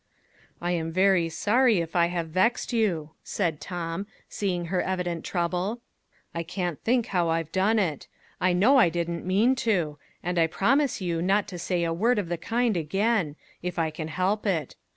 "I am very sorry if I have vexed you," said Tom, seeing her evident trouble. "I can't think how I've done it. I know I didn't mean to; and I promise you not to say a word of the kind again if I can help it.